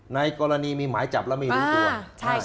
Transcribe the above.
ในกรณีมีหมายจับแล้วไม่รู้ตัว